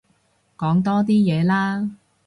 講多啲嘢啦